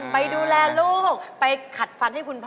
ไปดูแลลูกไปขัดฟันให้คุณพ่อ